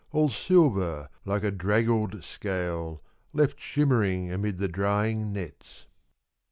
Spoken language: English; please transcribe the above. All silver like a draggled scale Left shimmering amid the drying nets.'